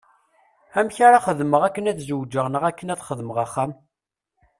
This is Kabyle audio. Amek ara xedmeɣ akken ad zewǧeɣ neɣ akken ad xedmeɣ axxam?